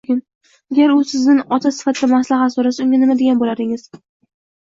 Agar u sizdan ota sifatida maslahat soʻrasa, unga nima degan boʻlardingiz?